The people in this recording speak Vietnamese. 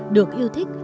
được yêu thích